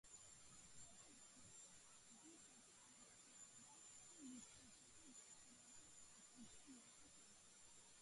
ფაქტია, რომ რაიხსტაგის სამართლებრივი ინსტიტუტი გაცილებით უფრო გვიან შეიქმნა.